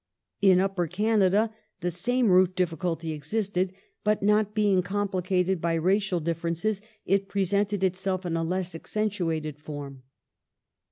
^ In Upper Canada the same root difficulty existed, but, not being complicated by racial differences, it presented itself in a less accentuated form.